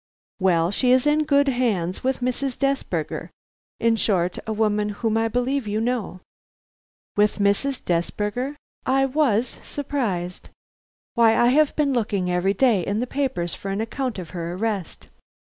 Well, she is in good hands; with Mrs. Desberger, in short; a woman whom I believe you know." "With Mrs. Desberger?" I was surprised. "Why, I have been looking every day in the papers for an account of her arrest."